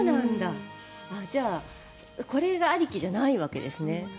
じゃあこれありきじゃないわけですね。